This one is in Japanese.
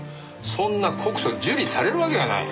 そんな告訴受理されるわけがない。